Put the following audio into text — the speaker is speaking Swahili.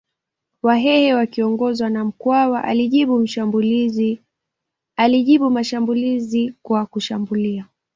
Wahehe wakiongozwa na Mkwawa alijibu mashambulizi kwa kushambulia